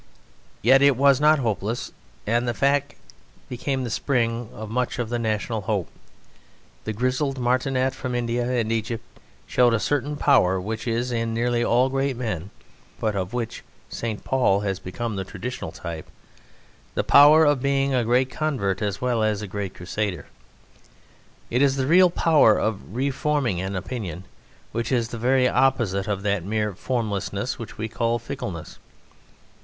Yet it was not hopeless; and the fact became the spring of much of the national hope. The grizzled martinet from India and Egypt showed a certain power which is in nearly all great men, but of which St. Paul has become the traditional type the power of being a great convert as well as a great crusader. It is the real power of re forming an opinion, which is the very opposite of that mere formlessness which we call fickleness.